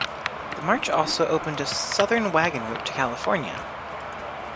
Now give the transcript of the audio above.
The march also opened a southern wagon route to California.